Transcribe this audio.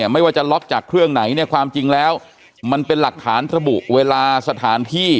ไม่ว่าจะล็อกจากเครื่องไหนเนี่ยความจริงแล้วมันเป็นหลักฐานระบุเวลาสถานที่